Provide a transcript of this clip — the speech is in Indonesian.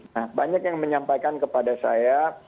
nah banyak yang menyampaikan kepada saya